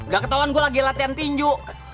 gak ketahuan gue lagi latihan tinju